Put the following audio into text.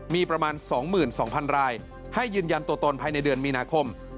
มีประมาณ๒๒๐๐๐รายให้ยืนยันตัวตนภายในเดือนมีนาคม